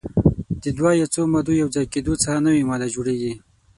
د دوه یا څو مادو یو ځای کیدو څخه نوې ماده جوړیږي.